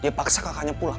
dia memaksa kakaknya pulang